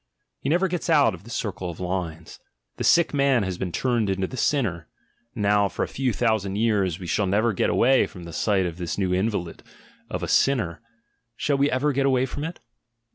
He never gets out of the circle of lines. The sick man has been turned into "the sinner'' — and now for a few thousand years we t away from the sight of this new invalid, of "a sinner" — shall we ever get away from it?